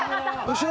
後ろ？